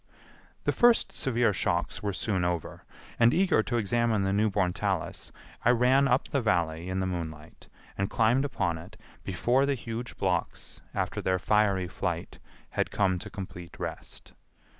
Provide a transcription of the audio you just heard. The first severe shocks were soon over, and eager to examine the new born talus I ran up the Valley in the moonlight and climbed upon it before the huge blocks, after their fiery flight, had come to complete rest.